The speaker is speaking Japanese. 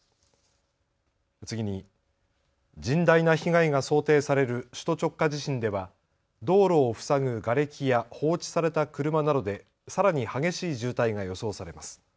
次に甚大な被害が想定される首都直下地震では道路を塞ぐがれきや放置された車などでさらに激しい渋滞が予想されます。